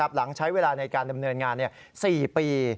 หลังใช้เวลาในการดำเนินงาน๔ปี